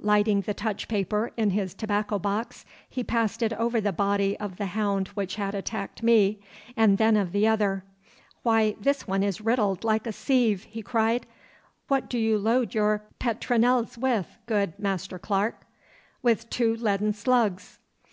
Lighting the touch paper in his tobacco box, he passed it over the body of the hound which had attacked me, and then of the other. 'Why, this one is riddled like a sieve,' he cried. 'What do you load your petronels with, good Master Clarke?' 'With two leaden slugs.